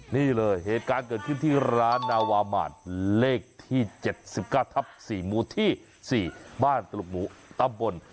นี่เลยเหตุการณ์เกิดขึ้นที่ร้านนาวามานเลขที่๗๙ทับ๔หมู่ที่๔บ้านตลุกหมูตำบล